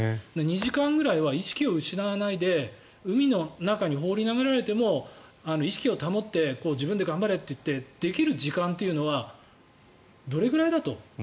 ２時間くらいは意識を失わないで海の中に放り投げられても意識を保って自分で頑張れって言ってできる時間というのはどれぐらいだと。